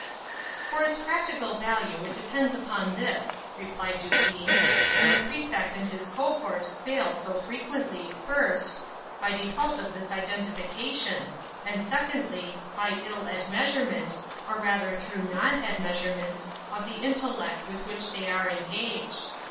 "For its practical value it depends upon this," replied Dupin; "and the Prefect and his cohort fail so frequently, first, by default of this identification, and, secondly, by ill admeasurement, or rather through non admeasurement, of the intellect with which they are engaged.